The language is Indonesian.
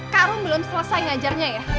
karung belum selesai ngajarnya ya